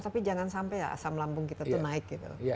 tapi jangan sampai asam lambung kita itu naik